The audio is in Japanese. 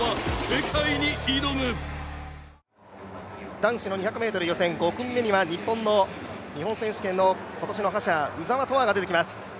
男子２００ｍ予選、５組目には日本選手権の今年の覇者、鵜澤飛羽が出てきます。